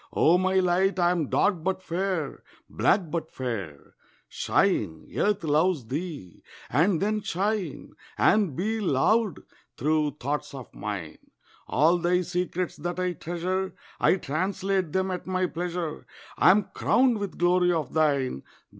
O my light, I am dark but fair, Black but fair. Shine, Earth loves thee! And then shine And be loved through thoughts of mine. All thy secrets that I treasure I translate them at my pleasure. I am crowned with glory of thine.